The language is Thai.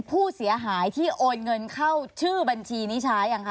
ผู้เสียหายที่โอนเงินเข้าชื่อบัญชีนิชายังคะ